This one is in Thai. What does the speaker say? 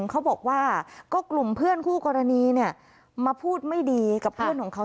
เขาบอกว่าก็กลุ่มเพื่อนคู่กรณีมาพูดไม่ดีกับเพื่อนของเขา